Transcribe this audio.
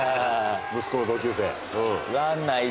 息子の同級生。